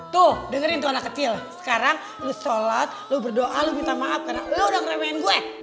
tuh dengerin tuh anak kecil sekarang lu sholat lu berdoa lu minta maaf karena lu udah keremehin gue